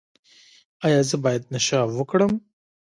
ایا زه باید نشه وکړم؟